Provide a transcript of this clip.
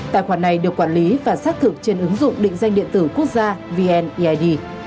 tài khoản này được quản lý và xác thực trên ứng dụng định danh điện tử quốc gia vneid